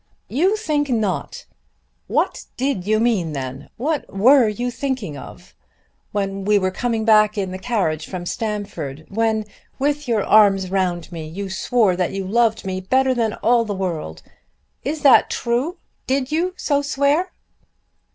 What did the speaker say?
"You think not! What did you mean then? What were you thinking of when we were coming back in the carriage from Stamford, when with your arms round me you swore that you loved me better than all the world? Is that true? Did you so swear?"